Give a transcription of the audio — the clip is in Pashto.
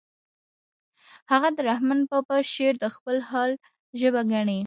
هغه د رحمن بابا شعر د خپل حال ژبه ګڼي